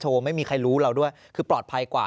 ไม่มีใครรู้เราด้วยคือปลอดภัยกว่า